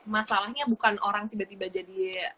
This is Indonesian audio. masalahnya bukan orang tiba tiba jadi